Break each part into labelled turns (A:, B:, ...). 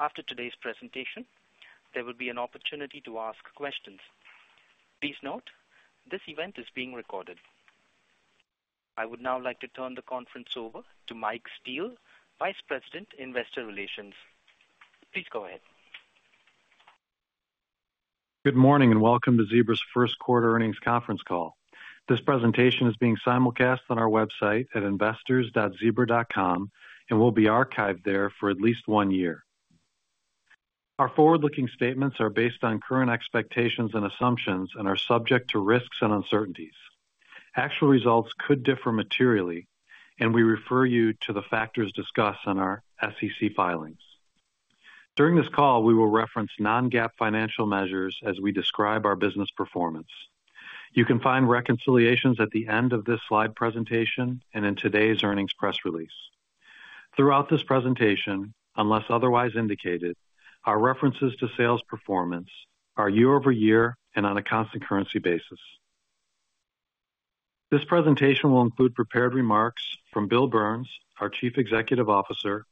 A: After today's presentation, there will be an opportunity to ask questions. Please note, this event is being recorded. I would now like to turn the conference over to Mike Steele, Vice President, Investor Relations. Please go ahead.
B: Good morning and welcome to Zebra's first quarter earnings conference call. This presentation is being simulcast on our website at investors.zebra.com and will be archived there for at least one year. Our forward-looking statements are based on current expectations and assumptions and are subject to risks and uncertainties. Actual results could differ materially, and we refer you to the factors discussed in our SEC filings. During this call, we will reference non-GAAP financial measures as we describe our business performance. You can find reconciliations at the end of this slide presentation and in today's earnings press release. Throughout this presentation, unless otherwise indicated, our references to sales performance are year over year and on a constant currency basis. This presentation will include prepared remarks from Bill Burns, our Chief Executive Officer,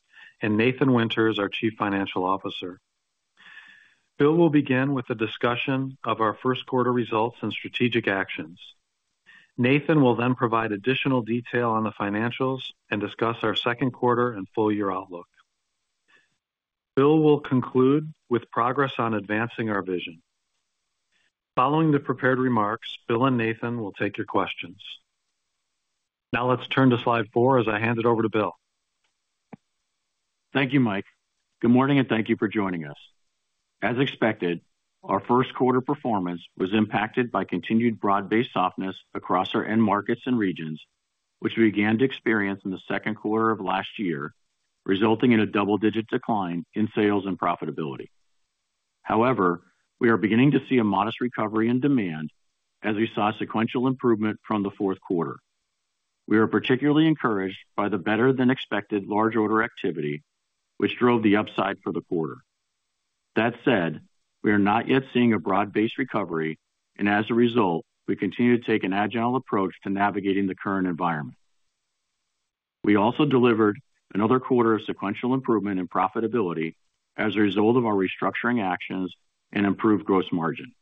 B: and Nathan Winters, our Chief Financial Officer. Bill will begin with a discussion of our first quarter results and strategic actions. Nathan will then provide additional detail on the financials and discuss our second quarter and full-year outlook. Bill will conclude with progress on advancing our vision. Following the prepared remarks, Bill and Nathan will take your questions. Now let's turn to slide 4 as I hand it over to Bill.
C: Thank you, Mike. Good morning and thank you for joining us. As expected, our first quarter performance was impacted by continued broad-based softness across our end markets and regions, which we began to experience in the second quarter of last year, resulting in a double-digit decline in sales and profitability. However, we are beginning to see a modest recovery in demand as we saw sequential improvement from the fourth quarter. We are particularly encouraged by the better-than-expected large-order activity, which drove the upside for the quarter. That said, we are not yet seeing a broad-based recovery, and as a result, we continue to take an agile approach to navigating the current environment. We also delivered another quarter of sequential improvement in profitability as a result of our restructuring actions and improved gross margin.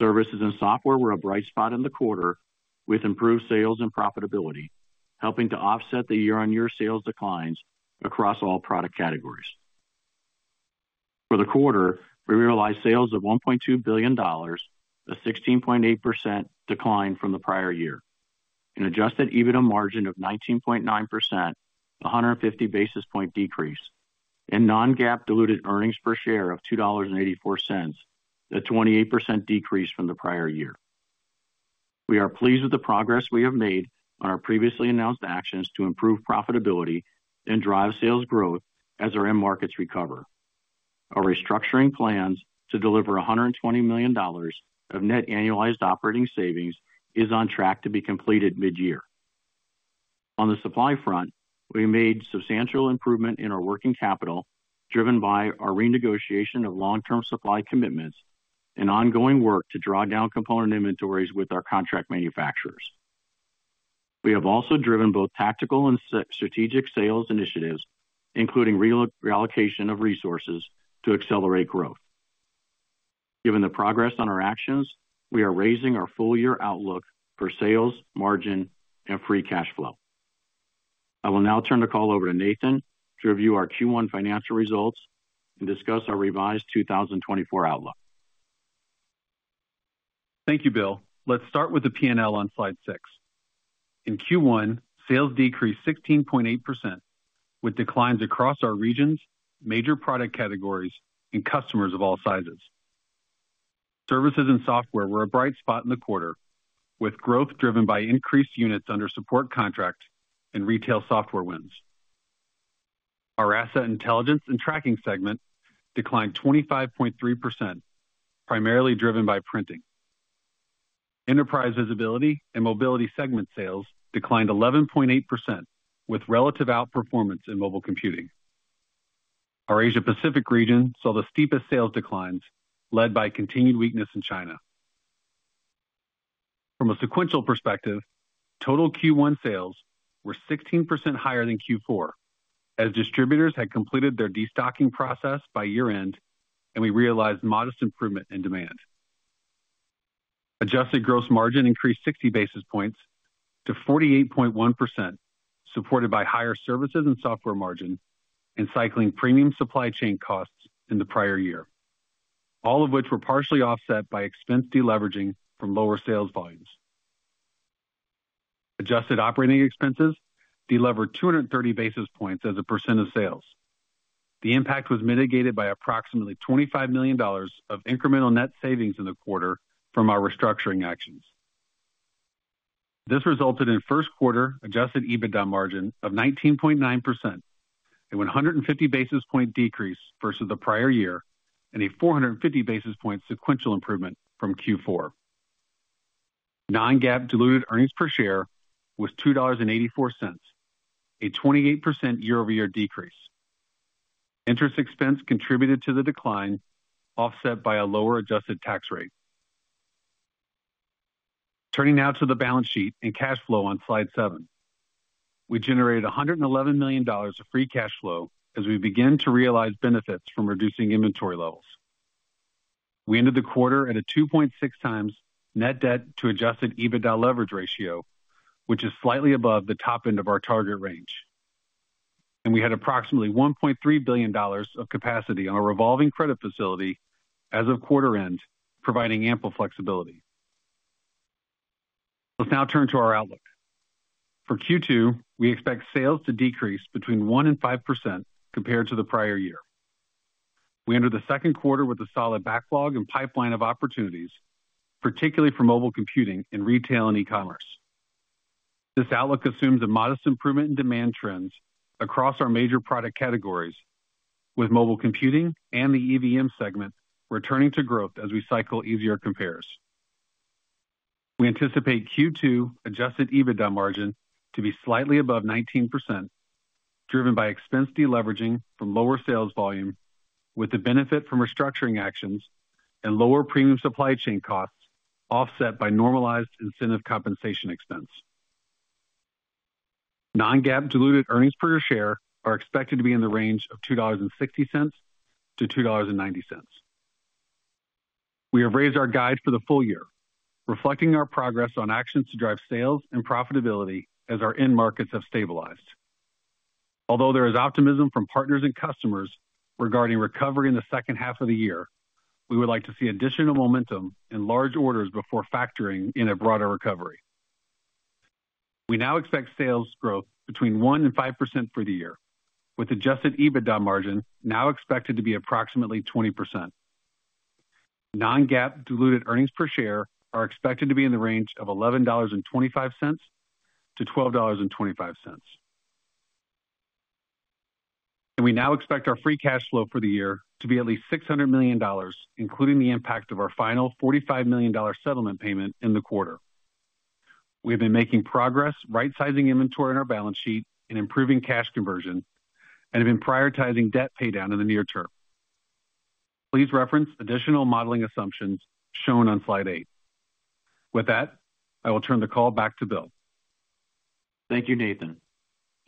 C: Services and software were a bright spot in the quarter with improved sales and profitability, helping to offset the year-on-year sales declines across all product categories. For the quarter, we realized sales of $1.2 billion, a 16.8% decline from the prior year, an adjusted EBITDA margin of 19.9%, a 150 basis point decrease, and non-GAAP diluted earnings per share of $2.84, a 28% decrease from the prior year. We are pleased with the progress we have made on our previously announced actions to improve profitability and drive sales growth as our end markets recover. Our restructuring plans to deliver $120 million of net annualized operating savings is on track to be completed mid-year. On the supply front, we made substantial improvement in our working capital, driven by our renegotiation of long-term supply commitments and ongoing work to draw down component inventories with our contract manufacturers. We have also driven both tactical and strategic sales initiatives, including reallocation of resources to accelerate growth. Given the progress on our actions, we are raising our full-year outlook for sales, margin, and free cash flow. I will now turn the call over to Nathan to review our Q1 financial results and discuss our revised 2024 outlook.
D: Thank you, Bill. Let's start with the P&L on slide 6. In Q1, sales decreased 16.8% with declines across our regions, major product categories, and customers of all sizes. Services and software were a bright spot in the quarter with growth driven by increased units under support contracts and retail software wins. Our Asset Intelligence and Tracking segment declined 25.3%, primarily driven by printing. Enterprise Visibility and Mobility segment sales declined 11.8% with relative outperformance in mobile computing. Our Asia-Pacific region saw the steepest sales declines, led by continued weakness in China. From a sequential perspective, total Q1 sales were 16% higher than Q4 as distributors had completed their destocking process by year-end, and we realized modest improvement in demand. Adjusted gross margin increased 60 basis points to 48.1%, supported by higher services and software margin and cycling premium supply chain costs in the prior year, all of which were partially offset by expense deleveraging from lower sales volumes. Adjusted operating expenses delevered 230 basis points as a percent of sales. The impact was mitigated by approximately $25 million of incremental net savings in the quarter from our restructuring actions. This resulted in first quarter Adjusted EBITDA margin of 19.9%, a 150 basis point decrease versus the prior year, and a 450 basis point sequential improvement from Q4. Non-GAAP diluted earnings per share was $2.84, a 28% year-over-year decrease. Interest expense contributed to the decline, offset by a lower adjusted tax rate. Turning now to the balance sheet and cash flow on slide 7. We generated $111 million of free cash flow as we began to realize benefits from reducing inventory levels. We ended the quarter at a 2.6 times net debt-to-Adjusted EBITDA leverage ratio, which is slightly above the top end of our target range. We had approximately $1.3 billion of capacity on a revolving credit facility as of quarter-end, providing ample flexibility. Let's now turn to our outlook. For Q2, we expect sales to decrease between 1% and 5% compared to the prior year. We enter the second quarter with a solid backlog and pipeline of opportunities, particularly for mobile computing in retail and e-commerce. This outlook assumes a modest improvement in demand trends across our major product categories, with mobile computing and the EVM segment returning to growth as we cycle easier compares. We anticipate Q2 Adjusted EBITDA margin to be slightly above 19%, driven by expense deleveraging from lower sales volume with the benefit from restructuring actions and lower premium supply chain costs offset by normalized incentive compensation expense. Non-GAAP diluted earnings per share are expected to be in the range of $2.60-$2.90. We have raised our guide for the full year, reflecting our progress on actions to drive sales and profitability as our end markets have stabilized. Although there is optimism from partners and customers regarding recovery in the second half of the year, we would like to see additional momentum in large orders before factoring in a broader recovery. We now expect sales growth between 1% and 5% for the year, with Adjusted EBITDA margin now expected to be approximately 20%. Non-GAAP diluted earnings per share are expected to be in the range of $11.25-$12.25. We now expect our free cash flow for the year to be at least $600 million, including the impact of our final $45 million settlement payment in the quarter. We have been making progress right-sizing inventory in our balance sheet and improving cash conversion, and have been prioritizing debt paydown in the near term. Please reference additional modeling assumptions shown on slide 8. With that, I will turn the call back to Bill.
C: Thank you, Nathan.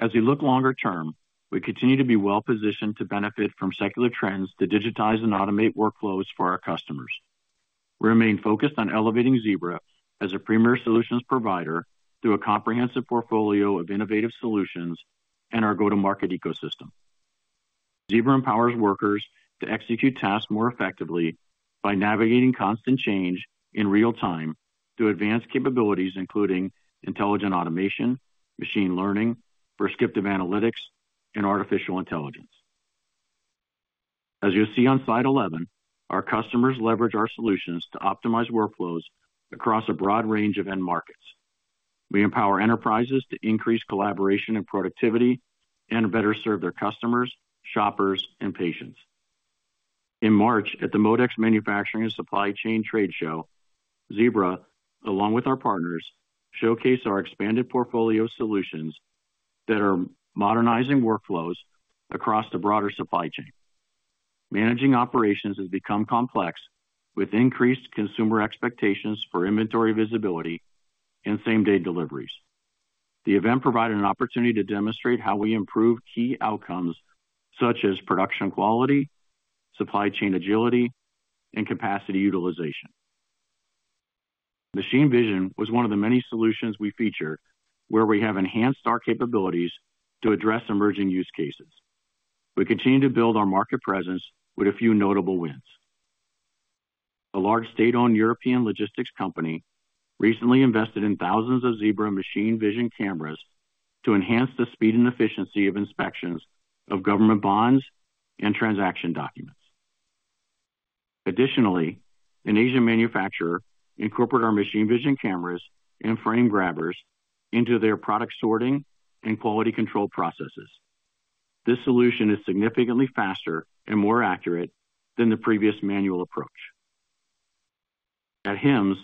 C: As we look longer term, we continue to be well-positioned to benefit from secular trends to digitize and automate workflows for our customers. We remain focused on elevating Zebra as a premier solutions provider through a comprehensive portfolio of innovative solutions and our go-to-market ecosystem. Zebra empowers workers to execute tasks more effectively by navigating constant change in real time through advanced capabilities including intelligent automation, machine learning, prescriptive analytics, and artificial intelligence. As you'll see on slide 11, our customers leverage our solutions to optimize workflows across a broad range of end markets. We empower enterprises to increase collaboration and productivity and better serve their customers, shoppers, and patients. In March, at the MODEX Manufacturing and Supply Chain Trade Show, Zebra, along with our partners, showcased our expanded portfolio solutions that are modernizing workflows across the broader supply chain. Managing operations has become complex with increased consumer expectations for inventory visibility and same-day deliveries. The event provided an opportunity to demonstrate how we improve key outcomes such as production quality, supply chain agility, and capacity utilization. Machine Vision was one of the many solutions we featured where we have enhanced our capabilities to address emerging use cases. We continue to build our market presence with a few notable wins. A large state-owned European logistics company recently invested in thousands of Zebra Machine Vision cameras to enhance the speed and efficiency of inspections of government bonds and transaction documents. Additionally, an Asian manufacturer incorporated our Machine Vision cameras and frame grabbers into their product sorting and quality control processes. This solution is significantly faster and more accurate than the previous manual approach. At HIMSS,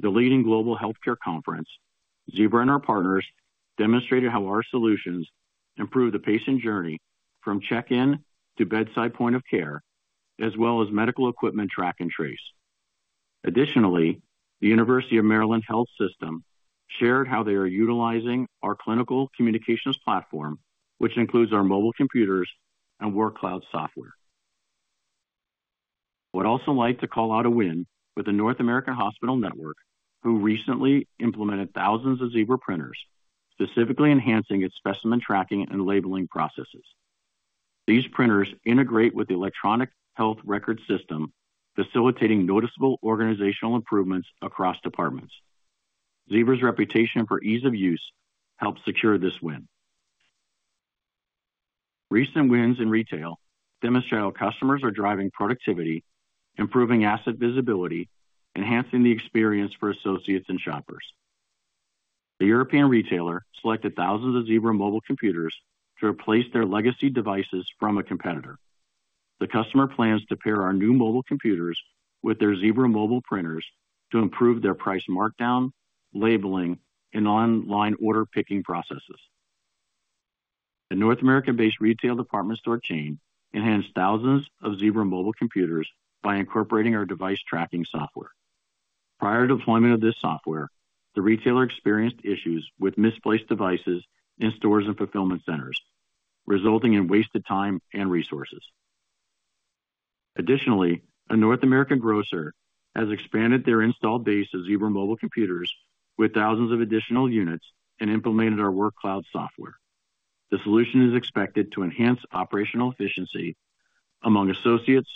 C: the leading global healthcare conference, Zebra and our partners demonstrated how our solutions improve the patient journey from check-in to bedside point of care, as well as medical equipment track and trace. Additionally, the University of Maryland Medical System shared how they are utilizing our clinical communications platform, which includes our mobile computers and Workcloud software. I would also like to call out a win with the North American hospital network, who recently implemented thousands of Zebra printers, specifically enhancing its specimen tracking and labeling processes. These printers integrate with the electronic health record system, facilitating noticeable organizational improvements across departments. Zebra's reputation for ease of use helped secure this win. Recent wins in retail demonstrate how customers are driving productivity, improving asset visibility, enhancing the experience for associates and shoppers. A European retailer selected thousands of Zebra mobile computers to replace their legacy devices from a competitor. The customer plans to pair our new mobile computers with their Zebra mobile printers to improve their price markdown, labeling, and online order picking processes. A North American-based retail department store chain enhanced thousands of Zebra mobile computers by incorporating our device tracking software. Prior deployment of this software, the retailer experienced issues with misplaced devices in stores and fulfillment centers, resulting in wasted time and resources. Additionally, a North American grocer has expanded their installed base of Zebra mobile computers with thousands of additional units and implemented our Workcloud software. The solution is expected to enhance operational efficiency among associates,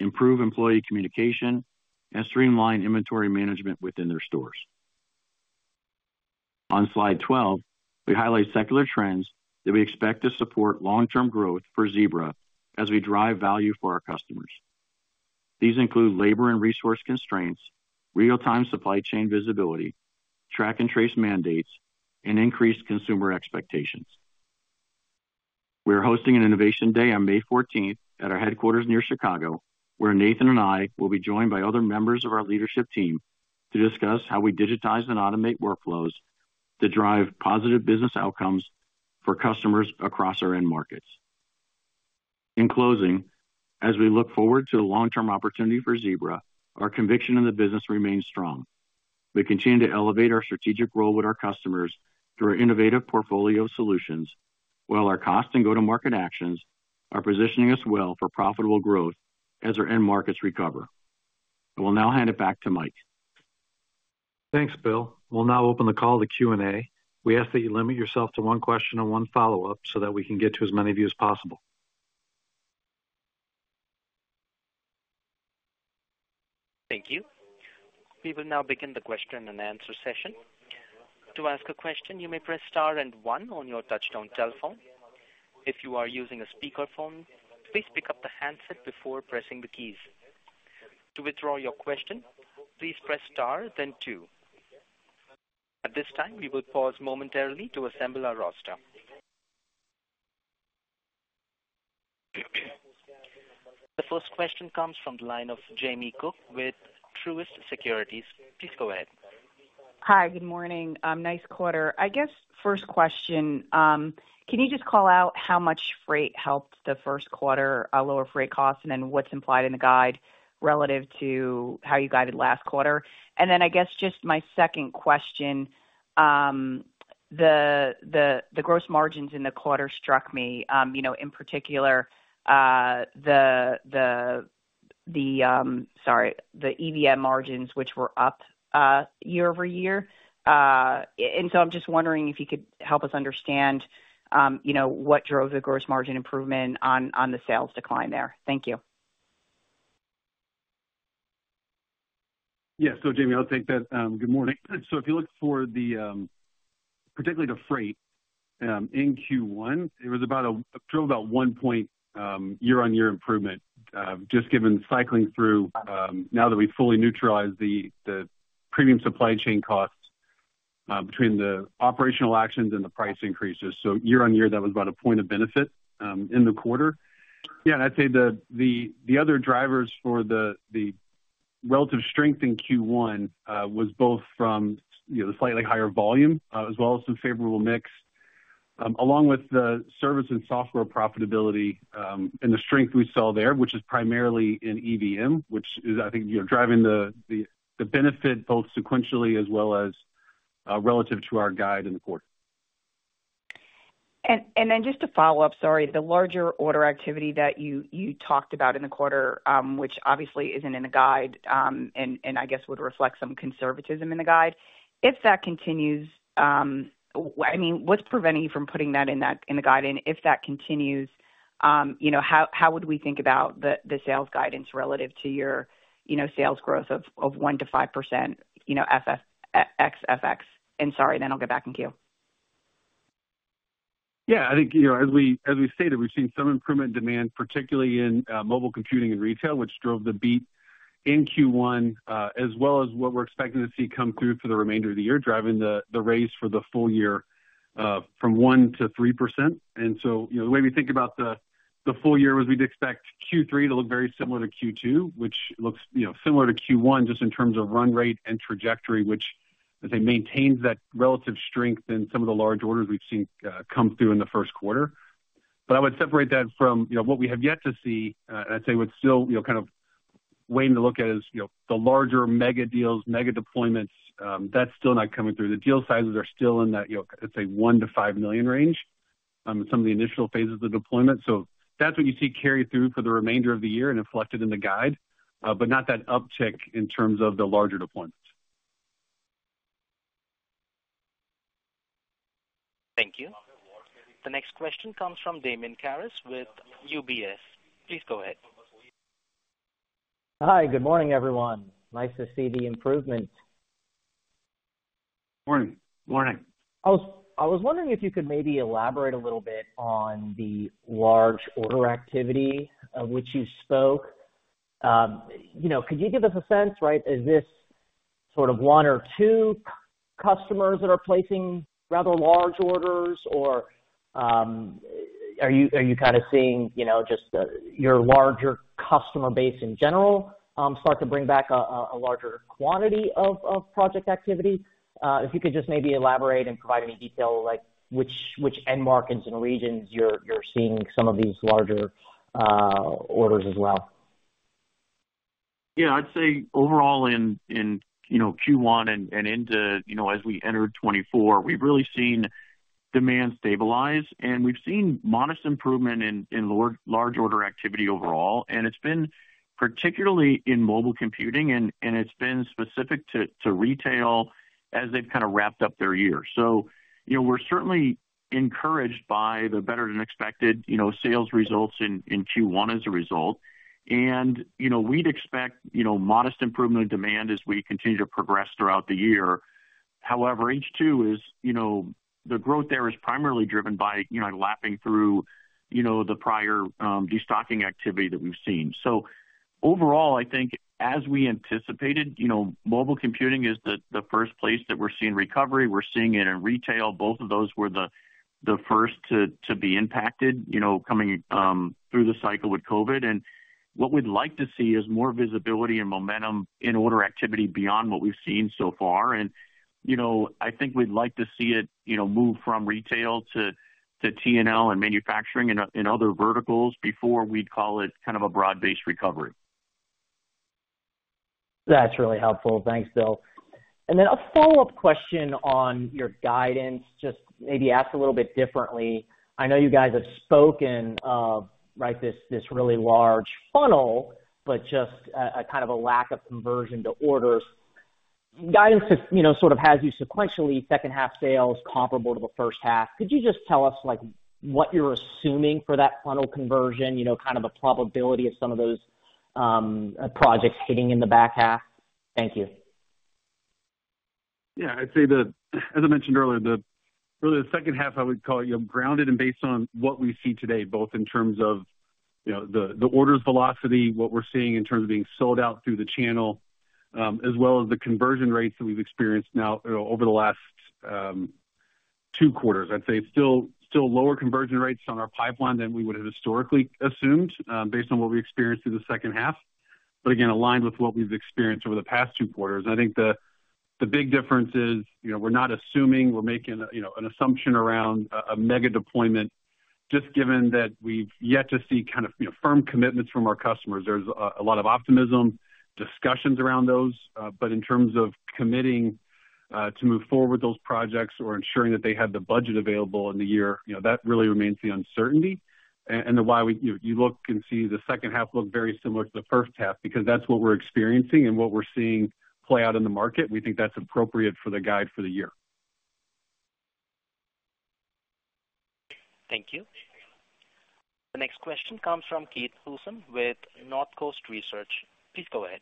C: improve employee communication, and streamline inventory management within their stores. On slide 12, we highlight secular trends that we expect to support long-term growth for Zebra as we drive value for our customers. These include labor and resource constraints, real-time supply chain visibility, track and trace mandates, and increased consumer expectations. We are hosting an Innovation Day on May 14th at our headquarters near Chicago, where Nathan and I will be joined by other members of our leadership team to discuss how we digitize and automate workflows to drive positive business outcomes for customers across our end markets. In closing, as we look forward to the long-term opportunity for Zebra, our conviction in the business remains strong. We continue to elevate our strategic role with our customers through our innovative portfolio of solutions, while our cost and go-to-market actions are positioning us well for profitable growth as our end markets recover. I will now hand it back to Mike.
B: Thanks, Bill. We'll now open the call to Q&A. We ask that you limit yourself to one question and one follow-up so that we can get to as many of you as possible.
A: Thank you. We will now begin the question-and-answer session. To ask a question, you may press star and 1 on your touch-tone telephone. If you are using a speakerphone, please pick up the handset before pressing the keys. To withdraw your question, please press star, then 2. At this time, we will pause momentarily to assemble our roster. The first question comes from the line of Jamie Cook with Truist Securities. Please go ahead.
E: Hi. Good morning. Nice quarter. I guess first question, can you just call out how much freight helped the first quarter, lower freight costs, and then what's implied in the guide relative to how you guided last quarter? And then I guess just my second question, the gross margins in the quarter struck me. In particular, the, sorry, the EVM margins, which were up year-over-year. And so I'm just wondering if you could help us understand what drove the gross margin improvement on the sales decline there. Thank you.
D: Yeah. So, Jamie, I'll take that. Good morning. So if you look for the, particularly the freight, in Q1, it drove about 1 point year-on-year improvement, just given cycling through now that we've fully neutralized the premium supply chain costs between the operational actions and the price increases. So year-on-year, that was about a point of benefit in the quarter. Yeah. And I'd say the other drivers for the relative strength in Q1 was both from the slightly higher volume as well as some favorable mix, along with the service and software profitability and the strength we saw there, which is primarily in EVM, which is, I think, driving the benefit both sequentially as well as relative to our guide in the quarter.
E: And then just to follow up, sorry, the larger order activity that you talked about in the quarter, which obviously isn't in the guide and I guess would reflect some conservatism in the guide, if that continues, I mean, what's preventing you from putting that in the guide? And if that continues, how would we think about the sales guidance relative to your sales growth of 1%-5%, XFX? And sorry, then I'll get back in queue.
D: Yeah. I think as we stated, we've seen some improvement in demand, particularly in mobile computing and retail, which drove the beat in Q1, as well as what we're expecting to see come through for the remainder of the year, driving the raise for the full year from 1%-3%. And so the way we think about the full year was we'd expect Q3 to look very similar to Q2, which looks similar to Q1 just in terms of run rate and trajectory, which, as I say, maintains that relative strength in some of the large orders we've seen come through in the first quarter. But I would separate that from what we have yet to see. And I'd say what's still kind of waiting to look at is the larger mega deals, mega deployments, that's still not coming through. The deal sizes are still in that, I'd say, $1 million-$5 million range in some of the initial phases of deployment. So that's what you see carry through for the remainder of the year and reflected in the guide, but not that uptick in terms of the larger deployments.
A: Thank you. The next question comes from Damian Karas with UBS. Please go ahead.
F: Hi. Good morning, everyone. Nice to see the improvement.
D: Morning. Morning.
F: I was wondering if you could maybe elaborate a little bit on the large order activity of which you spoke. Could you give us a sense, right, is this sort of one or two customers that are placing rather large orders, or are you kind of seeing just your larger customer base in general start to bring back a larger quantity of project activity? If you could just maybe elaborate and provide any detail which end markets and regions you're seeing some of these larger orders as well?
D: Yeah. I'd say overall in Q1 and into as we entered 2024, we've really seen demand stabilize, and we've seen modest improvement in large order activity overall. It's been particularly in mobile computing, and it's been specific to retail as they've kind of wrapped up their year. We're certainly encouraged by the better-than-expected sales results in Q1 as a result. We'd expect modest improvement in demand as we continue to progress throughout the year. However, H2, the growth there is primarily driven by lapping through the prior destocking activity that we've seen. Overall, I think as we anticipated, mobile computing is the first place that we're seeing recovery. We're seeing it in retail. Both of those were the first to be impacted coming through the cycle with COVID. And what we'd like to see is more visibility and momentum in order activity beyond what we've seen so far. And I think we'd like to see it move from retail to T&L and manufacturing and other verticals before we'd call it kind of a broad-based recovery.
F: That's really helpful. Thanks, Bill. And then a follow-up question on your guidance, just maybe asked a little bit differently. I know you guys have spoken of, right, this really large funnel, but just kind of a lack of conversion to orders. Guidance sort of has you sequentially second-half sales comparable to the first half. Could you just tell us what you're assuming for that funnel conversion, kind of the probability of some of those projects hitting in the back half? Thank you.
D: Yeah. I'd say that, as I mentioned earlier, really the second half, I would call it grounded and based on what we see today, both in terms of the orders velocity, what we're seeing in terms of being sold out through the channel, as well as the conversion rates that we've experienced now over the last two quarters. I'd say still lower conversion rates on our pipeline than we would have historically assumed based on what we experienced through the second half, but again, aligned with what we've experienced over the past two quarters. I think the big difference is we're not assuming. We're making an assumption around a mega deployment, just given that we've yet to see kind of firm commitments from our customers. There's a lot of optimism, discussions around those. But in terms of committing to move forward those projects or ensuring that they have the budget available in the year, that really remains the uncertainty. And that's why when you look and see the second half look very similar to the first half because that's what we're experiencing and what we're seeing play out in the market. We think that's appropriate for the guide for the year.
A: Thank you. The next question comes from Keith Housum with Northcoast Research. Please go ahead.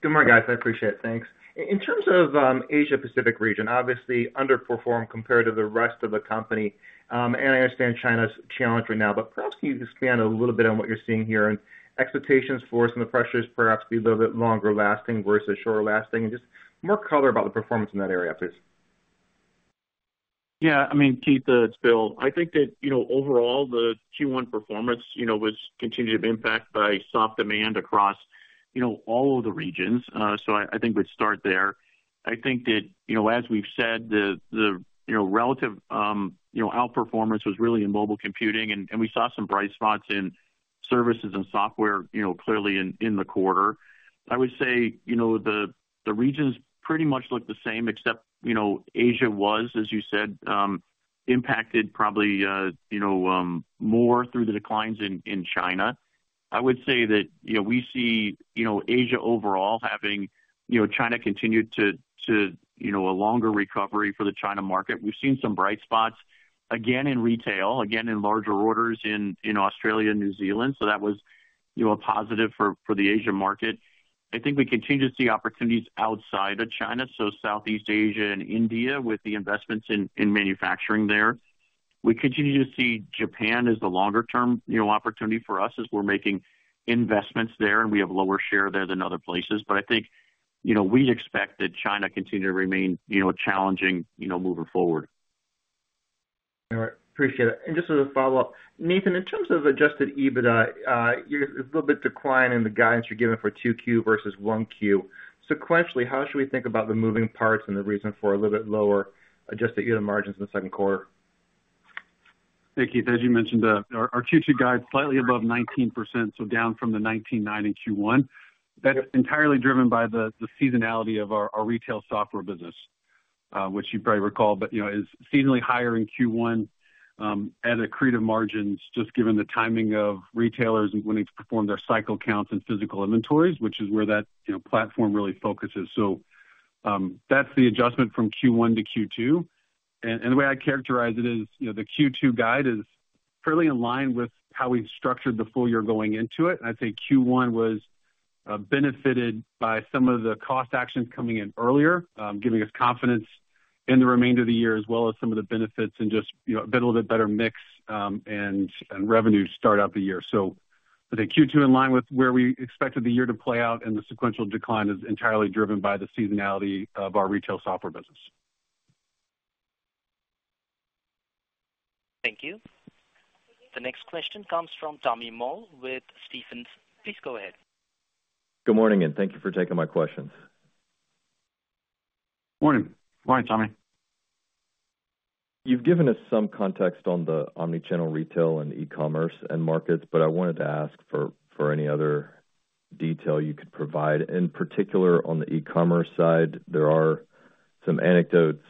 G: Good morning, guys. I appreciate it. Thanks. In terms of Asia-Pacific region, obviously underperform compared to the rest of the company. I understand China's challenge right now. Perhaps can you expand a little bit on what you're seeing here and expectations for some of the pressures perhaps be a little bit longer-lasting versus shorter-lasting? Just more color about the performance in that area, please?
C: Yeah. I mean, Keith. Bill. I think that overall, the Q1 performance was continued to be impacted by soft demand across all of the regions. So I think we'd start there. I think that as we've said, the relative outperformance was really in mobile computing. And we saw some bright spots in services and software, clearly, in the quarter. I would say the regions pretty much looked the same, except Asia was, as you said, impacted probably more through the declines in China. I would say that we see Asia overall having China continued to a longer recovery for the China market. We've seen some bright spots, again, in retail, again, in larger orders in Australia and New Zealand. So that was a positive for the Asia market. I think we continue to see opportunities outside of China, so Southeast Asia and India with the investments in manufacturing there. We continue to see Japan as the longer-term opportunity for us as we're making investments there, and we have lower share there than other places. But I think we'd expect that China continue to remain a challenging move forward.
G: All right. Appreciate it. And just as a follow-up, Nathan, in terms of Adjusted EBITDA, there's a little bit decline in the guidance you're giving for 2Q versus 1Q. Sequentially, how should we think about the moving parts and the reason for a little bit lower Adjusted EBITDA margins in the second quarter?
D: Thank you. As you mentioned, our Q2 guide is slightly above 19%, so down from the 19.9% in Q1. That's entirely driven by the seasonality of our retail software business, which you probably recall, but is seasonally higher in Q1 at accretive margins, just given the timing of retailers wanting to perform their cycle counts and physical inventories, which is where that platform really focuses. So that's the adjustment from Q1 to Q2. And the way I'd characterize it is the Q2 guide is fairly in line with how we've structured the full year going into it. And I'd say Q1 was benefited by some of the cost actions coming in earlier, giving us confidence in the remainder of the year as well as some of the benefits and just a little bit better mix and revenue startup the year. So I'd say Q2 in line with where we expected the year to play out, and the sequential decline is entirely driven by the seasonality of our retail software business.
A: Thank you. The next question comes from Tommy Moll with Stephens. Please go ahead.
H: Good morning, and thank you for taking my questions.
C: Morning. Morning, Tommy.
H: You've given us some context on the omnichannel retail and e-commerce and markets, but I wanted to ask for any other detail you could provide. In particular, on the e-commerce side, there are some anecdotes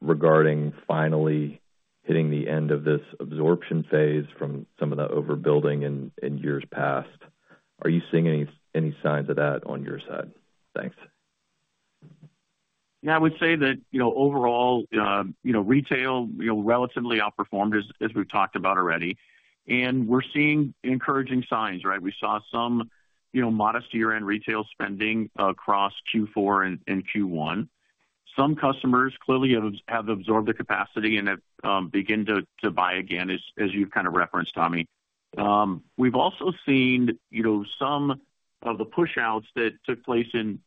H: regarding finally hitting the end of this absorption phase from some of the overbuilding in years past. Are you seeing any signs of that on your side? Thanks.
C: Yeah. I would say that overall, retail relatively outperformed, as we've talked about already. We're seeing encouraging signs, right? We saw some modest year-end retail spending across Q4 and Q1. Some customers clearly have absorbed the capacity and have begun to buy again, as you've kind of referenced, Tommy. We've also seen some of the pushouts that took place in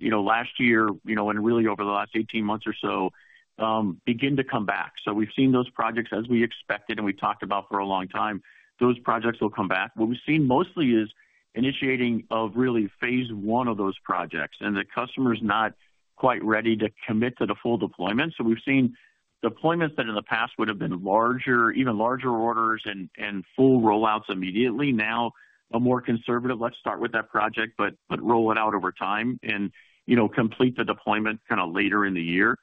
C: last year and really over the last 18 months or so begin to come back. We've seen those projects as we expected, and we talked about for a long time. Those projects will come back. What we've seen mostly is initiating of really phase one of those projects, and the customer's not quite ready to commit to the full deployment. We've seen deployments that in the past would have been larger, even larger orders and full rollouts immediately. Now, a more conservative, "Let's start with that project, but roll it out over time and complete the deployment kind of later in the year."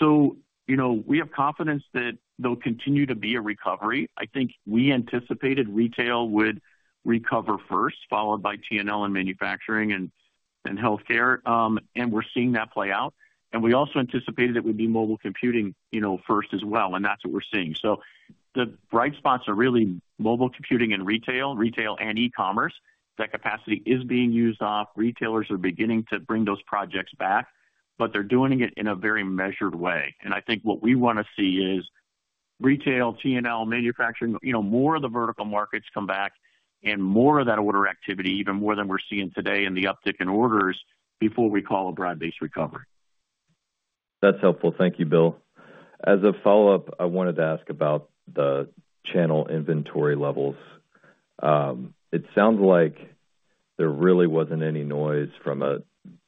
C: So we have confidence that there'll continue to be a recovery. I think we anticipated retail would recover first, followed by T&L and manufacturing and healthcare. And we're seeing that play out. And we also anticipated it would be mobile computing first as well. And that's what we're seeing. So the bright spots are really mobile computing and retail, retail and e-commerce. That capacity is being used off. Retailers are beginning to bring those projects back, but they're doing it in a very measured way. I think what we want to see is retail, T&L, manufacturing, more of the vertical markets come back and more of that order activity, even more than we're seeing today in the uptick in orders before we call a broad-based recovery.
H: That's helpful. Thank you, Bill. As a follow-up, I wanted to ask about the channel inventory levels. It sounds like there really wasn't any noise from a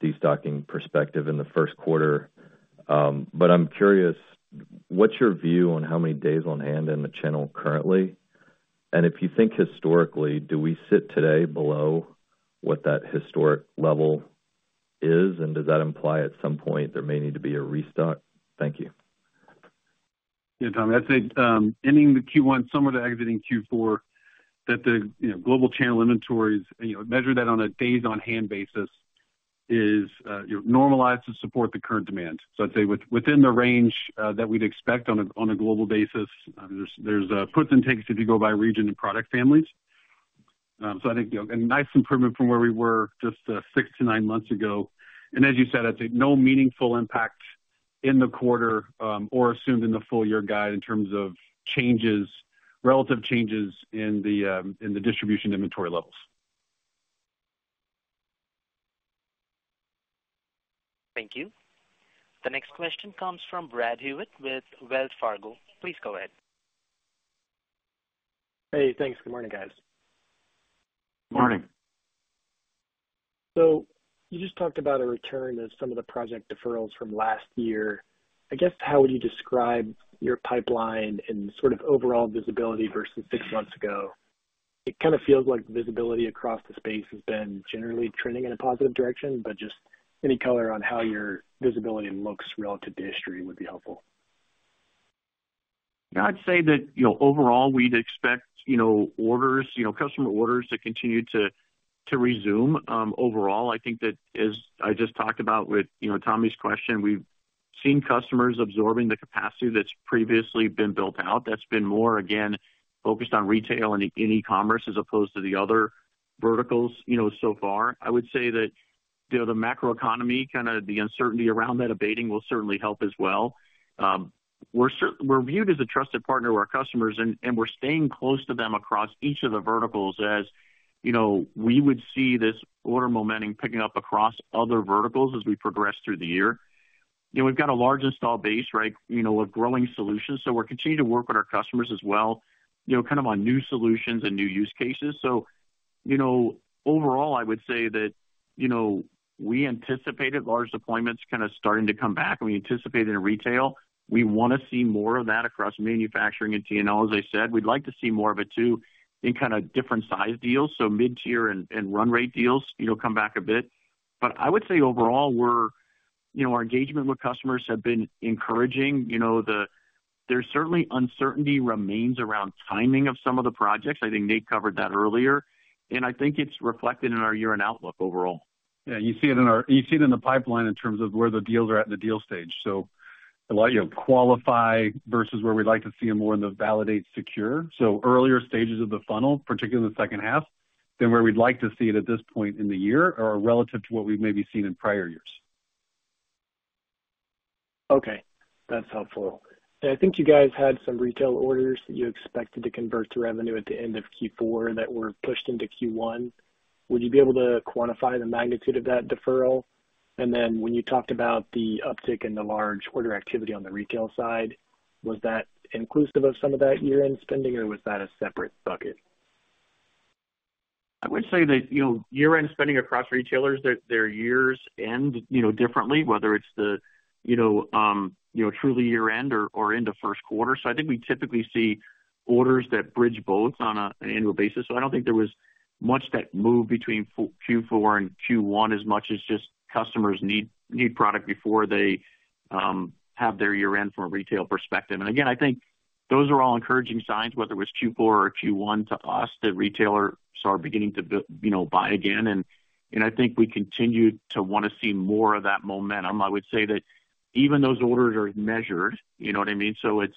H: destocking perspective in the first quarter. But I'm curious, what's your view on how many days on hand in the channel currently? And if you think historically, do we sit today below what that historic level is? And does that imply at some point there may need to be a restock? Thank you.
B: Yeah, Tommy. I'd say, ending the Q1 summer to exiting Q4, that the global channel inventories, measure that on a days-on-hand basis, is normalized to support the current demand. So I'd say within the range that we'd expect on a global basis, there's puts and takes if you go by region and product families. So I think a nice improvement from where we were just 6-9 months ago. And as you said, I'd say no meaningful impact in the quarter or assumed in the full year guide in terms of relative changes in the distribution inventory levels.
A: Thank you. The next question comes from Brad Hewitt with Wells Fargo. Please go ahead.
I: Hey. Thanks. Good morning, guys.
C: Morning.
I: You just talked about a return of some of the project deferrals from last year. I guess how would you describe your pipeline and sort of overall visibility versus six months ago? It kind of feels like visibility across the space has been generally trending in a positive direction, but just any color on how your visibility looks relative to history would be helpful.
C: Yeah. I'd say that overall, we'd expect customer orders to continue to resume. Overall, I think that, as I just talked about with Tommy's question, we've seen customers absorbing the capacity that's previously been built out. That's been more, again, focused on retail and e-commerce as opposed to the other verticals so far. I would say that the macroeconomy, kind of the uncertainty around that abating, will certainly help as well. We're viewed as a trusted partner to our customers, and we're staying close to them across each of the verticals as we would see this order momentum picking up across other verticals as we progress through the year. We've got a large install base, right, of growing solutions. So we're continuing to work with our customers as well, kind of on new solutions and new use cases. So overall, I would say that we anticipated large deployments kind of starting to come back. And we anticipated in retail. We want to see more of that across manufacturing and T&L. As I said, we'd like to see more of it too in kind of different-sized deals, so mid-tier and run-rate deals come back a bit. But I would say overall, our engagement with customers has been encouraging. There's certainly uncertainty remains around timing of some of the projects. I think Nate covered that earlier. And I think it's reflected in our year-end outlook overall.
B: Yeah. You see it in our pipeline in terms of where the deals are at in the deal stage. So a lot qualify versus where we'd like to see them more in the validate secure. So earlier stages of the funnel, particularly in the second half, than where we'd like to see it at this point in the year or relative to what we've maybe seen in prior years.
I: Okay. That's helpful. And I think you guys had some retail orders that you expected to convert to revenue at the end of Q4 that were pushed into Q1. Would you be able to quantify the magnitude of that deferral? And then when you talked about the uptick and the large order activity on the retail side, was that inclusive of some of that year-end spending, or was that a separate bucket?
B: I would say that year-end spending across retailers, their year-ends differently, whether it's the true year-end or end of first quarter. So I think we typically see orders that bridge both on an annual basis. So I don't think there was much that moved between Q4 and Q1 as much as just customers need product before they have their year-end from a retail perspective. And again, I think those are all encouraging signs, whether it was Q4 or Q1, to us that retailers are beginning to buy again. And I think we continue to want to see more of that momentum. I would say that even those orders are measured. You know what I mean? So it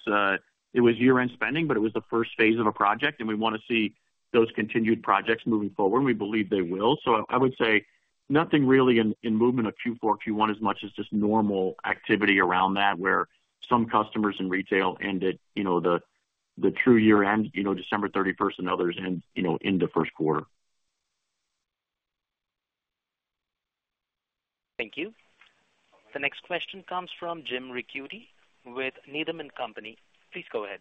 B: was year-end spending, but it was the first phase of a project. And we want to see those continued projects moving forward. And we believe they will. So I would say nothing really in movement of Q4, Q1 as much as just normal activity around that where some customers in retail ended the true year-end, December 31st, and others end of first quarter.
A: Thank you. The next question comes from Jim Ricchiuti with Needham & Company. Please go ahead.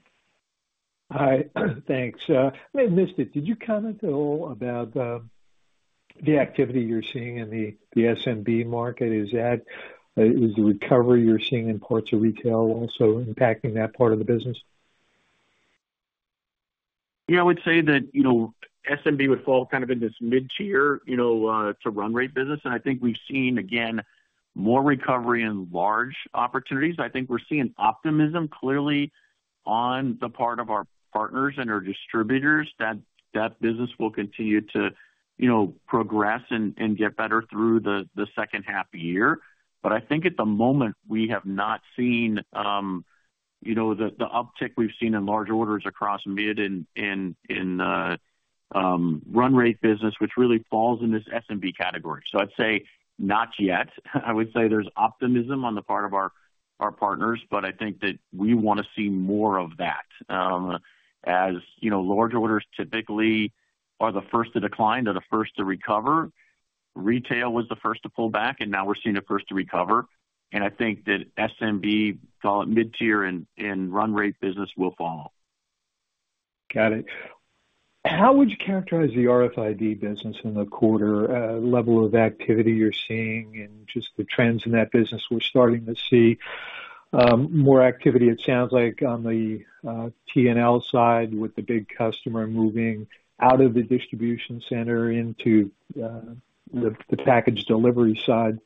J: Hi. Thanks. I may have missed it. Did you comment at all about the activity you're seeing in the SMB market? Is the recovery you're seeing in parts of retail also impacting that part of the business?
D: Yeah. I would say that SMB would fall kind of in this mid-tier to run-rate business. I think we've seen, again, more recovery in large opportunities. I think we're seeing optimism, clearly, on the part of our partners and our distributors that that business will continue to progress and get better through the second half of the year. But I think at the moment, we have not seen the uptick we've seen in large orders across mid and run-rate business, which really falls in this SMB category. So I'd say not yet. I would say there's optimism on the part of our partners, but I think that we want to see more of that as large orders typically are the first to decline or the first to recover. Retail was the first to pull back, and now we're seeing the first to recover. I think that SMB, call it mid-tier in run-rate business, will follow.
J: Got it. How would you characterize the RFID business and the quarter level of activity you're seeing and just the trends in that business? We're starting to see more activity, it sounds like, on the T&L side with the big customer moving out of the distribution center into the package delivery side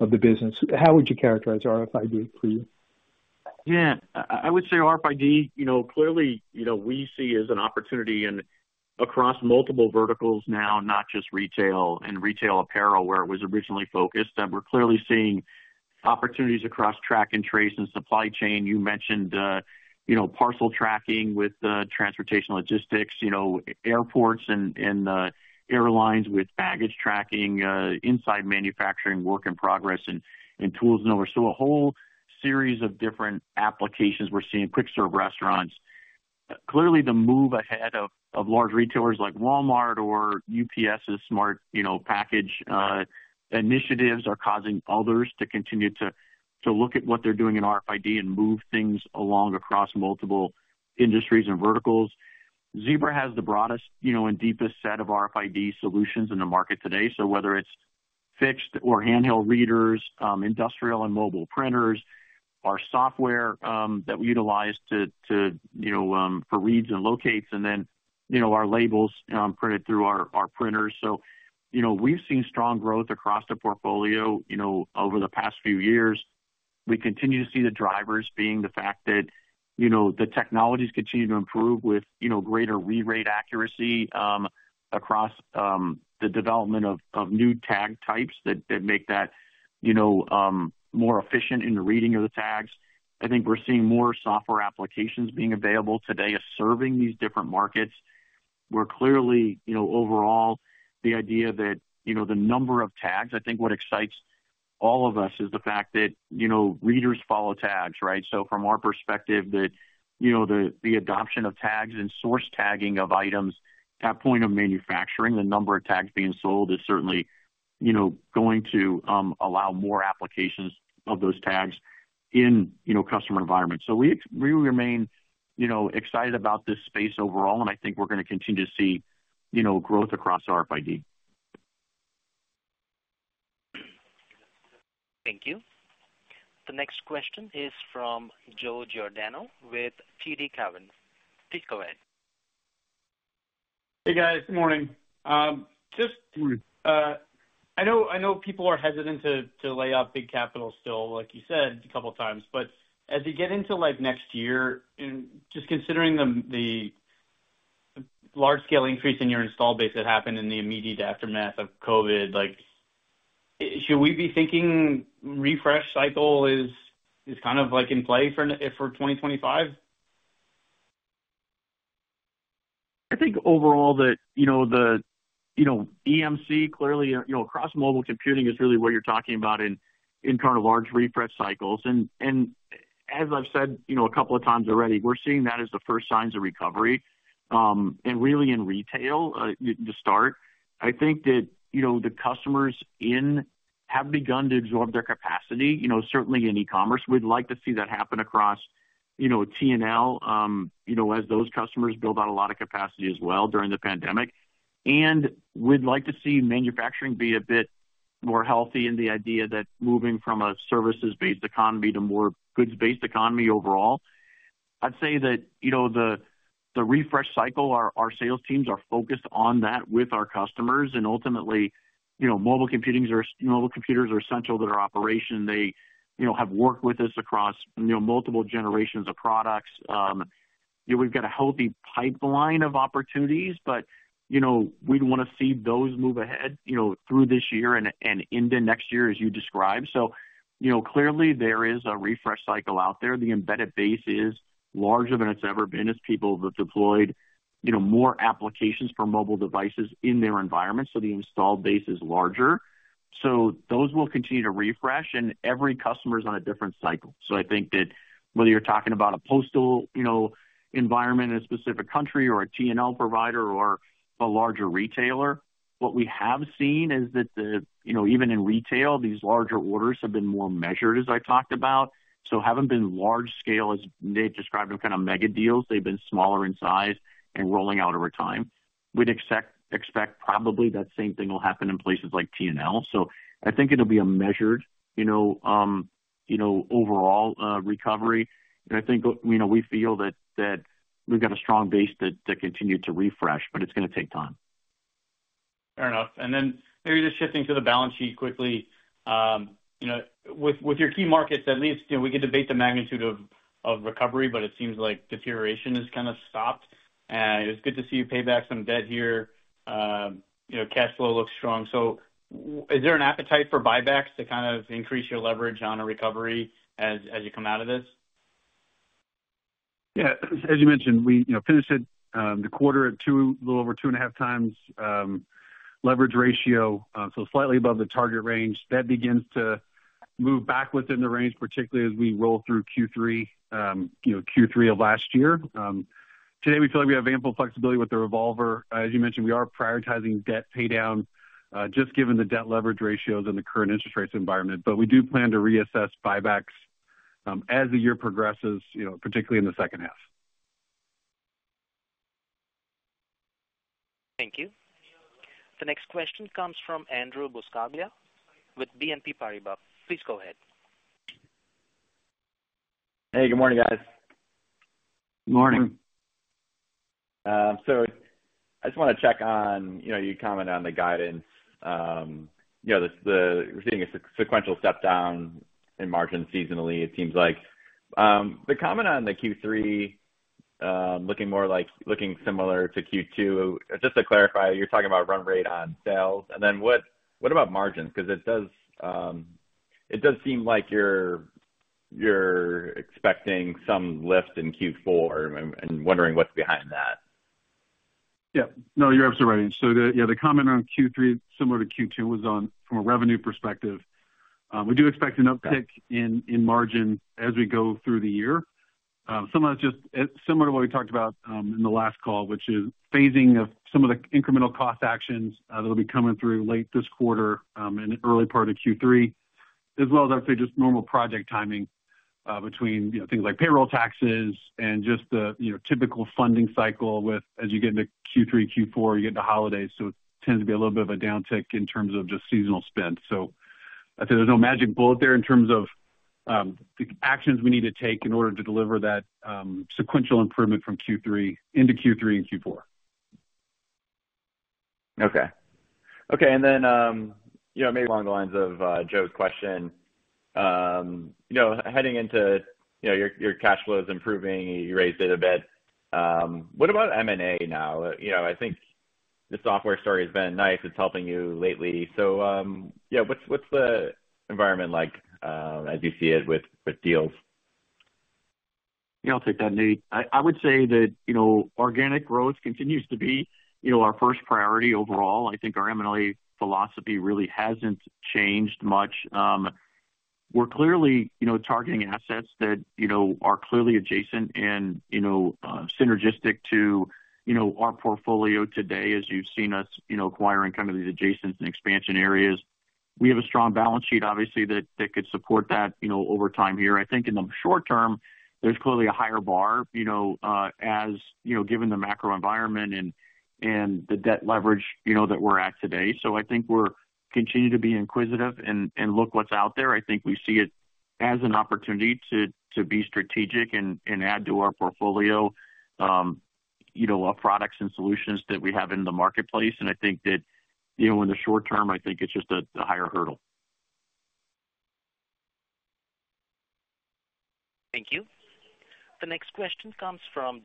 J: of the business. How would you characterize RFID for you?
D: Yeah. I would say RFID, clearly, we see as an opportunity across multiple verticals now, not just retail and retail apparel where it was originally focused. We're clearly seeing opportunities across track and trace and supply chain. You mentioned parcel tracking with transportation logistics, airports and airlines with baggage tracking, inside manufacturing, work in progress, and tools and others. So a whole series of different applications. We're seeing quick-serve restaurants. Clearly, the move ahead of large retailers like Walmart or UPS's smart package initiatives are causing others to continue to look at what they're doing in RFID and move things along across multiple industries and verticals. Zebra has the broadest and deepest set of RFID solutions in the market today. So whether it's fixed or handheld readers, industrial and mobile printers, our software that we utilize for reads and locates, and then our labels printed through our printers. So we've seen strong growth across the portfolio over the past few years. We continue to see the drivers being the fact that the technologies continue to improve with greater read rate accuracy across the development of new tag types that make that more efficient in the reading of the tags. I think we're seeing more software applications being available today serving these different markets. We're clearly, overall, the idea that the number of tags I think what excites all of us is the fact that readers follow tags, right? So from our perspective, the adoption of tags and source tagging of items, that point of manufacturing, the number of tags being sold is certainly going to allow more applications of those tags in customer environments. So we remain excited about this space overall, and I think we're going to continue to see growth across RFID.
A: Thank you. The next question is from Joe Giordano with TD Cowen. Please go ahead.
K: Hey, guys. Good morning. I know people are hesitant to lay off big capital still, like you said, a couple of times. But as you get into next year, just considering the large-scale increase in your install base that happened in the immediate aftermath of COVID, should we be thinking refresh cycle is kind of in play for 2025?
B: I think overall that the EVM, clearly, across mobile computing is really what you're talking about in kind of large refresh cycles. As I've said a couple of times already, we're seeing that as the first signs of recovery. Really, in retail, to start, I think that the customers in have begun to absorb their capacity, certainly in e-commerce. We'd like to see that happen across T&L as those customers build out a lot of capacity as well during the pandemic. We'd like to see manufacturing be a bit more healthy in the idea that moving from a services-based economy to more goods-based economy overall. I'd say that the refresh cycle, our sales teams are focused on that with our customers. Ultimately, mobile computers are essential to their operation. They have worked with us across multiple generations of products. We've got a healthy pipeline of opportunities, but we'd want to see those move ahead through this year and into next year as you described. So clearly, there is a refresh cycle out there. The embedded base is larger than it's ever been as people have deployed more applications for mobile devices in their environment. So the installed base is larger. So those will continue to refresh, and every customer is on a different cycle. So I think that whether you're talking about a postal environment in a specific country or a T&L provider or a larger retailer, what we have seen is that even in retail, these larger orders have been more measured, as I talked about. So haven't been large-scale as Nate described them kind of mega deals. They've been smaller in size and rolling out over time. We'd expect probably that same thing will happen in places like T&L. I think it'll be a measured overall recovery. I think we feel that we've got a strong base to continue to refresh, but it's going to take time.
K: Fair enough. Then maybe just shifting to the balance sheet quickly. With your key markets, at least we can debate the magnitude of recovery, but it seems like deterioration has kind of stopped. It was good to see you pay back some debt here. Cash flow looks strong. Is there an appetite for buybacks to kind of increase your leverage on a recovery as you come out of this?
B: Yeah. As you mentioned, we finished the quarter at a little over 2.5 times leverage ratio, so slightly above the target range. That begins to move back within the range, particularly as we roll through Q3, Q3 of last year. Today, we feel like we have ample flexibility with the revolver. As you mentioned, we are prioritizing debt paydown just given the debt leverage ratios and the current interest rate environment. But we do plan to reassess buybacks as the year progresses, particularly in the second half.
A: Thank you. The next question comes from Andrew Buscaglia with BNP Paribas. Please go ahead.
L: Hey. Good morning, guys.
C: Good morning.
L: So I just want to check on your comment on the guidance. We're seeing a sequential stepdown in margins seasonally, it seems like. The comment on the Q3 looking similar to Q2, just to clarify, you're talking about run-rate on sales. And then what about margins? Because it does seem like you're expecting some lift in Q4, and wondering what's behind that.
B: Yeah. No, you're absolutely right. So yeah, the comment on Q3 similar to Q2 was from a revenue perspective. We do expect an uptick in margin as we go through the year. Some of that's just similar to what we talked about in the last call, which is phasing of some of the incremental cost actions that'll be coming through late this quarter and early part of Q3, as well as, I'd say, just normal project timing between things like payroll taxes and just the typical funding cycle. As you get into Q3, Q4, you get into holidays, so it tends to be a little bit of a downtick in terms of just seasonal spend. So I'd say there's no magic bullet there in terms of the actions we need to take in order to deliver that sequential improvement into Q3 and Q4.
L: Okay. Okay. And then maybe along the lines of Joe's question, heading into your cash flow is improving. You raised it a bit. What about M&A now? I think the software story has been nice. It's helping you lately. So yeah, what's the environment like as you see it with deals?
D: Yeah. I'll take that, Nate. I would say that organic growth continues to be our first priority overall. I think our M&A philosophy really hasn't changed much. We're clearly targeting assets that are clearly adjacent and synergistic to our portfolio today as you've seen us acquiring kind of these adjacents and expansion areas. We have a strong balance sheet, obviously, that could support that over time here. I think in the short term, there's clearly a higher bar given the macro environment and the debt leverage that we're at today. So I think we'll continue to be inquisitive and look what's out there. I think we see it as an opportunity to be strategic and add to our portfolio of products and solutions that we have in the marketplace. I think that in the short term, I think it's just a higher hurdle.
A: Thank you. The next question comes from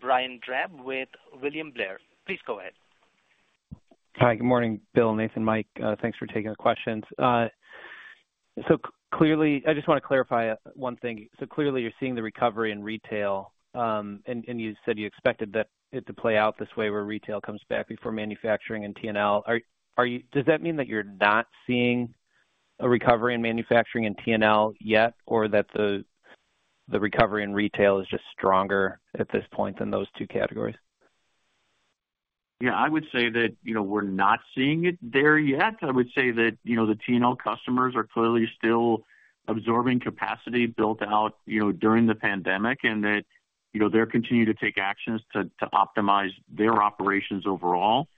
A: Brian Drab with William Blair. Please go ahead.
M: Hi. Good morning, Bill, Nathan, Mike. Thanks for taking the questions. So clearly, I just want to clarify one thing. So clearly, you're seeing the recovery in retail, and you said you expected it to play out this way where retail comes back before manufacturing and T&L. Does that mean that you're not seeing a recovery in manufacturing and T&L yet, or that the recovery in retail is just stronger at this point than those two categories?
B: Yeah. I would say that we're not seeing it there yet. I would say that the T&L customers are clearly still absorbing capacity built out during the pandemic and that they're continuing to take actions to optimize their operations overall.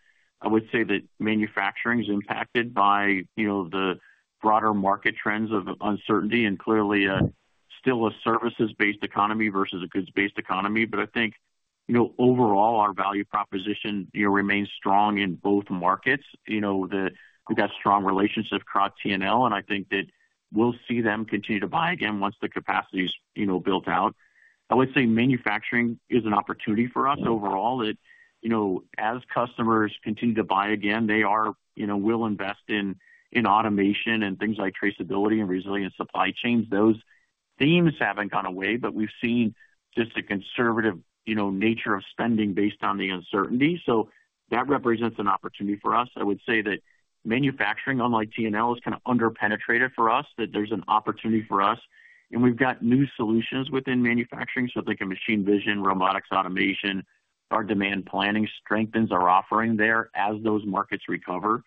B: I would say that manufacturing is impacted by the broader market trends of uncertainty and clearly still a services-based economy versus a goods-based economy. But I think overall, our value proposition remains strong in both markets. We've got strong relationships across T&L, and I think that we'll see them continue to buy again once the capacity is built out. I would say manufacturing is an opportunity for us overall. As customers continue to buy again, they will invest in automation and things like traceability and resilient supply chains. Those themes haven't gone away, but we've seen just the conservative nature of spending based on the uncertainty. So that represents an opportunity for us. I would say that manufacturing, unlike T&L, is kind of underpenetrated for us, that there's an opportunity for us. And we've got new solutions within manufacturing. So I think a Machine Vision, robotics automation, our demand planning strengthens our offering there as those markets recover.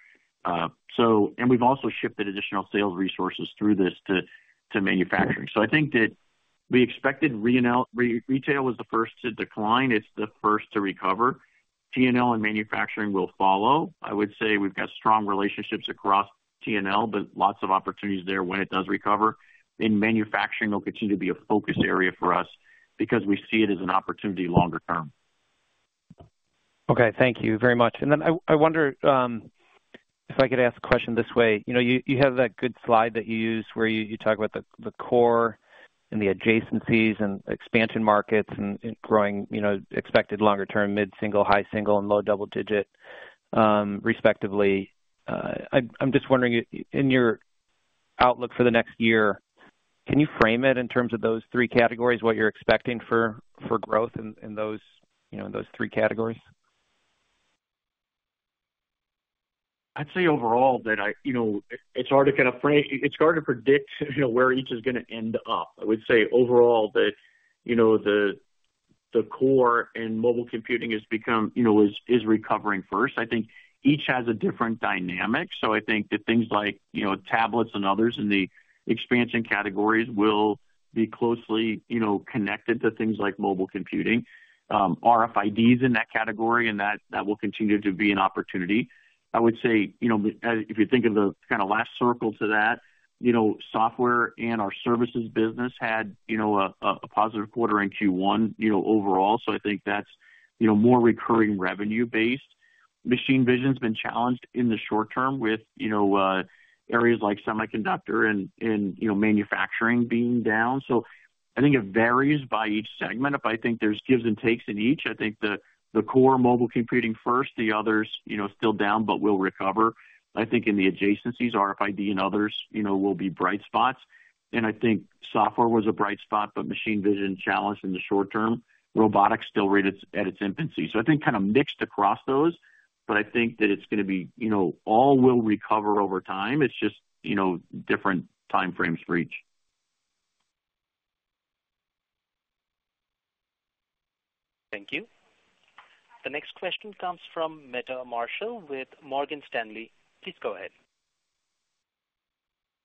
B: And we've also shipped additional sales resources through this to manufacturing. So I think that we expected retail was the first to decline. It's the first to recover. T&L and manufacturing will follow. I would say we've got strong relationships across T&L, but lots of opportunities there when it does recover. And manufacturing will continue to be a focus area for us because we see it as an opportunity longer term.
M: Okay. Thank you very much. And then I wonder if I could ask a question this way. You have that good slide that you use where you talk about the core and the adjacencies and expansion markets and expected longer-term mid-single, high-single, and low double-digit, respectively. I'm just wondering, in your outlook for the next year, can you frame it in terms of those three categories, what you're expecting for growth in those three categories?
B: I'd say overall that it's hard to kind of frame it's hard to predict where each is going to end up. I would say overall that the core and mobile computing is recovering first. I think each has a different dynamic. So I think that things like tablets and others in the expansion categories will be closely connected to things like mobile computing. RFIDs in that category, and that will continue to be an opportunity. I would say if you think of the kind of last circle to that, software and our services business had a positive quarter in Q1 overall. So I think that's more recurring revenue-based. Machine Vision has been challenged in the short term with areas like semiconductor and manufacturing being down. So I think it varies by each segment. If I think there's gives and takes in each, I think the core mobile computing first, the others still down but will recover. I think in the adjacencies, RFID and others will be bright spots. And I think software was a bright spot, but Machine Vision challenged in the short term. Robotics still rather at its infancy. So I think kind of mixed across those, but I think that it's going to be all will recover over time. It's just different time frames for each.
A: Thank you. The next question comes from Meta Marshall with Morgan Stanley. Please go ahead.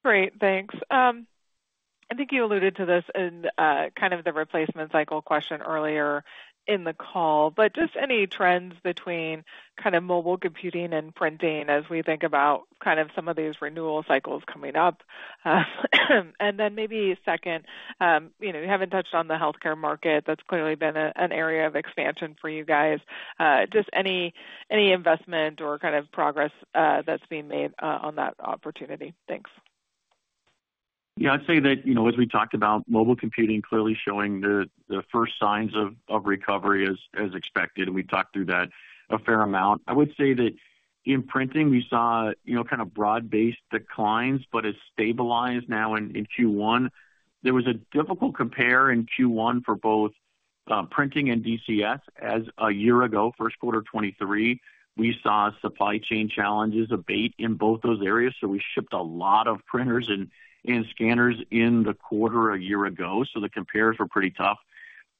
N: Great. Thanks. I think you alluded to this in kind of the replacement cycle question earlier in the call, but just any trends between kind of mobile computing and printing as we think about kind of some of these renewal cycles coming up? And then maybe second, you haven't touched on the healthcare market. That's clearly been an area of expansion for you guys. Just any investment or kind of progress that's being made on that opportunity? Thanks.
B: Yeah. I'd say that as we talked about, mobile computing clearly showing the first signs of recovery as expected. And we talked through that a fair amount. I would say that in printing, we saw kind of broad-based declines, but it stabilized now in Q1. There was a difficult compare in Q1 for both printing and DCS. A year ago, first quarter 2023, we saw supply chain challenges abate in both those areas. So we shipped a lot of printers and scanners in the quarter a year ago. So the compares were pretty tough.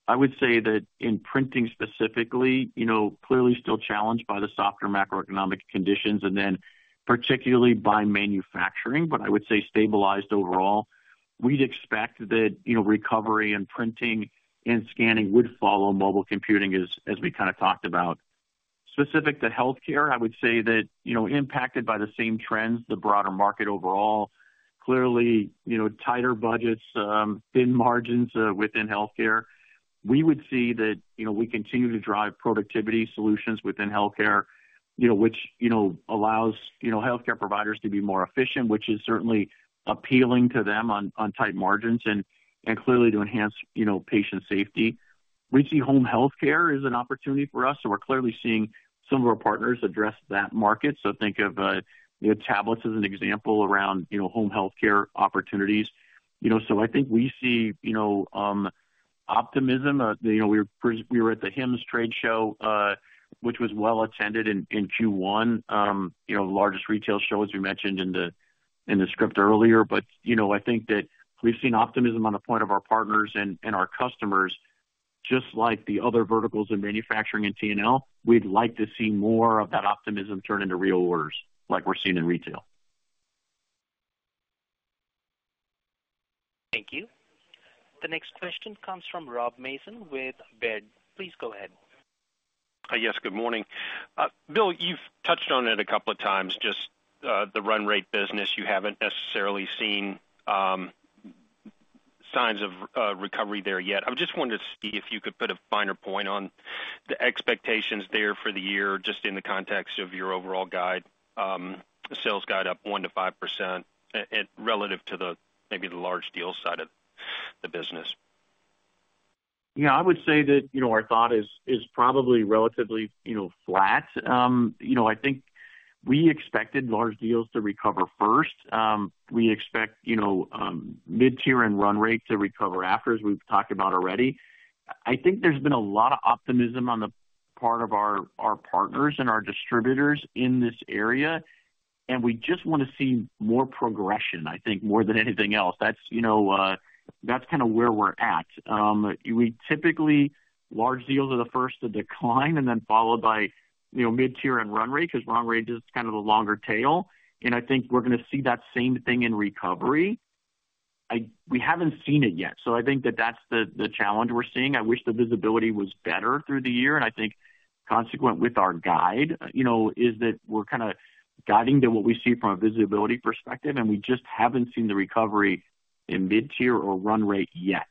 B: I would say that in printing specifically, clearly still challenged by the softer macroeconomic conditions and then particularly by manufacturing, but I would say stabilized overall. We'd expect that recovery and printing and scanning would follow mobile computing as we kind of talked about. Specific to healthcare, I would say that impacted by the same trends, the broader market overall, clearly tighter budgets, thin margins within healthcare. We would see that we continue to drive productivity solutions within healthcare, which allows healthcare providers to be more efficient, which is certainly appealing to them on tight margins and clearly to enhance patient safety. We see home healthcare is an opportunity for us. So we're clearly seeing some of our partners address that market. So think of tablets as an example around home healthcare opportunities. So I think we see optimism. We were at the HIMSS trade show, which was well attended in Q1, the largest retail show, as we mentioned in the script earlier. But I think that we've seen optimism on the point of our partners and our customers. Just like the other verticals in manufacturing and T&L, we'd like to see more of that optimism turn into real orders like we're seeing in retail.
A: Thank you. The next question comes from Rob Mason with Baird. Please go ahead.
O: Yes. Good morning. Bill, you've touched on it a couple of times, just the run-rate business. You haven't necessarily seen signs of recovery there yet. I just wanted to see if you could put a finer point on the expectations there for the year just in the context of your overall sales guide up 1%-5% relative to maybe the large deal side of the business.
C: Yeah. I would say that our thought is probably relatively flat. I think we expected large deals to recover first. We expect mid-tier and run-rate to recover after, as we've talked about already. I think there's been a lot of optimism on the part of our partners and our distributors in this area. And we just want to see more progression, I think, more than anything else. That's kind of where we're at. Typically, large deals are the first to decline and then followed by mid-tier and run-rate because run-rate is kind of the longer tail. And I think we're going to see that same thing in recovery. We haven't seen it yet. So I think that that's the challenge we're seeing. I wish the visibility was better through the year. I think consistent with our guide is that we're kind of guiding to what we see from a visibility perspective. We just haven't seen the recovery in mid-tier or run-rate yet.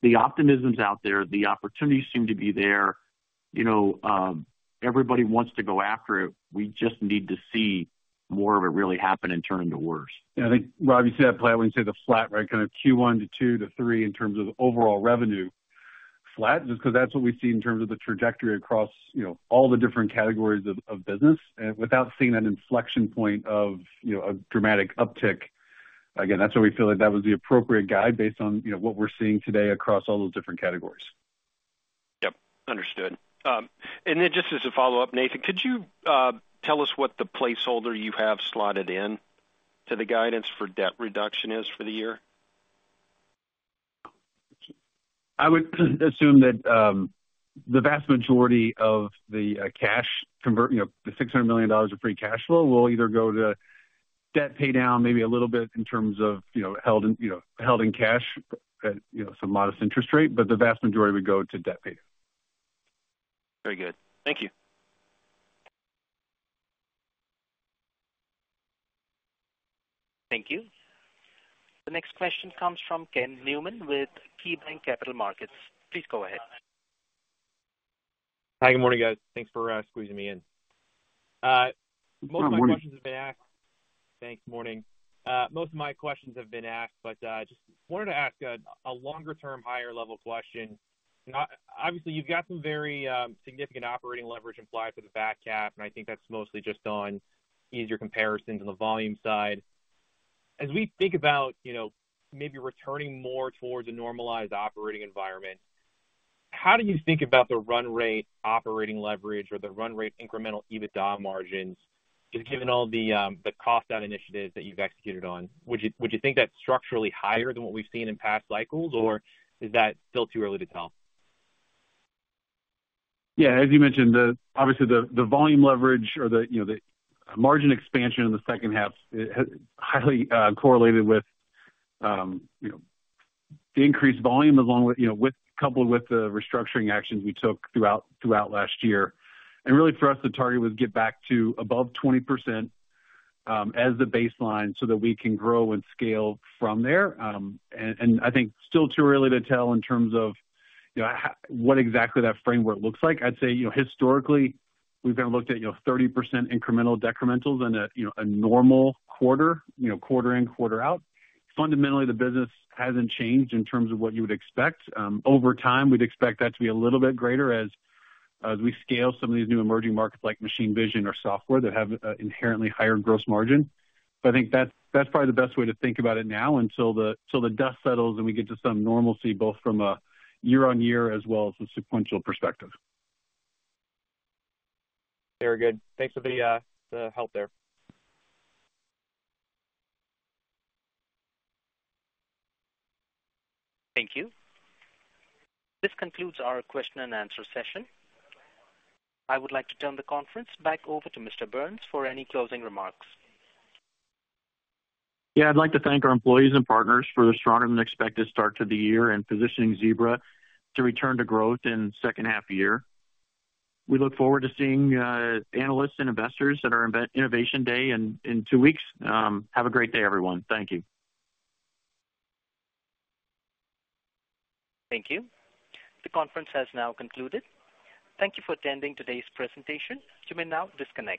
C: The optimism's out there. The opportunities seem to be there. Everybody wants to go after it. We just need to see more of it really happen and turn into wins.
D: Yeah. I think, Rob, you said that flat. When you say the flat, right, kind of Q1 to 2 to 3 in terms of overall revenue, flat just because that's what we see in terms of the trajectory across all the different categories of business without seeing that inflection point of a dramatic uptick. Again, that's why we feel like that was the appropriate guide based on what we're seeing today across all those different categories.
O: Yep. Understood. And then just as a follow-up, Nathan, could you tell us what the placeholder you have slotted into the guidance for debt reduction is for the year?
D: I would assume that the vast majority of the cash, the $600 million of free cash flow, will either go to debt paydown, maybe a little bit in terms of held in cash at some modest interest rate, but the vast majority would go to debt paydown.
O: Very good. Thank you.
A: Thank you. The next question comes from Ken Newman with KeyBanc Capital Markets. Please go ahead.
P: Hi. Good morning, guys. Thanks for squeezing me in. Most of my questions have been asked, but just wanted to ask a longer-term, higher-level question. Obviously, you've got some very significant operating leverage implied for the EVM comp, and I think that's mostly just on easier comparisons on the volume side. As we think about maybe returning more towards a normalized operating environment, how do you think about the run-rate operating leverage or the run-rate incremental EBITDA margins just given all the cost-out initiatives that you've executed on? Would you think that's structurally higher than what we've seen in past cycles, or is that still too early to tell?
D: Yeah. As you mentioned, obviously, the volume leverage or the margin expansion in the second half is highly correlated with the increased volume coupled with the restructuring actions we took throughout last year. And really, for us, the target was to get back to above 20% as the baseline so that we can grow and scale from there. And I think still too early to tell in terms of what exactly that framework looks like. I'd say historically, we've kind of looked at 30% incremental decrementals in a normal quarter, quarter in, quarter out. Fundamentally, the business hasn't changed in terms of what you would expect. Over time, we'd expect that to be a little bit greater as we scale some of these new emerging markets like machine vision or software that have an inherently higher gross margin. I think that's probably the best way to think about it now until the dust settles and we get to some normalcy both from a year-on-year as well as a sequential perspective.
P: Very good. Thanks for the help there.
A: Thank you. This concludes our question-and-answer session. I would like to turn the conference back over to Mr. Burns for any closing remarks.
C: Yeah. I'd like to thank our employees and partners for the stronger-than-expected start to the year and positioning Zebra to return to growth in second-half year. We look forward to seeing analysts and investors at our Innovation Day in two weeks. Have a great day, everyone. Thank you.
A: Thank you. The conference has now concluded. Thank you for attending today's presentation. You may now disconnect.